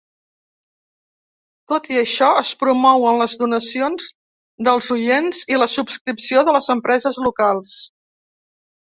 Tot i això, es promouen les donacions dels oients i la subscripció de les empreses locals.